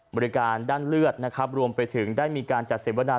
บริการด้านเลือดรวมไปถึงได้มีการจัดเสร็จบรรดา